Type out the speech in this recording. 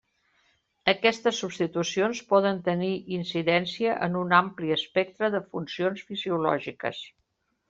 Aquestes substitucions poden tenir incidència en un ampli espectre de funcions fisiològiques.